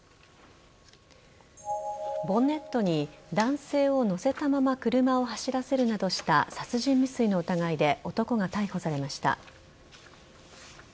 ボンネットに男性を乗せたまま車を走らせるなどした殺人未遂の疑いで男が逮捕されました。